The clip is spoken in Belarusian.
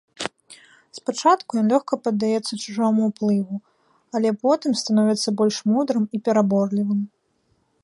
Спачатку ён лёгка паддаецца чужому ўплыву, але потым становіцца больш мудрым і пераборлівым.